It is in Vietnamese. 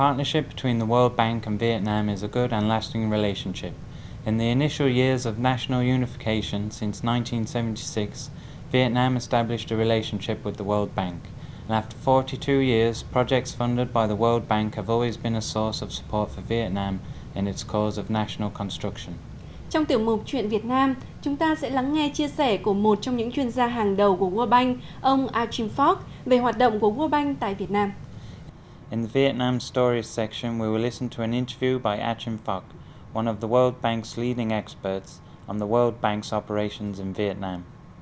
trong tiểu mục chuyện việt nam chúng ta sẽ lắng nghe chia sẻ của một trong những chuyên gia hàng đầu của world bank ông achim fock về hoạt động của world bank tại việt nam